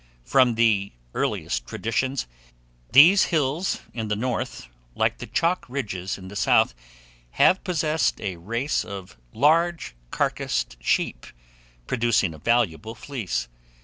From the earliest traditions, these hills in the North, like the chalk ridges in the South, have possessed a race of large carcased sheep, producing a valuable fleece.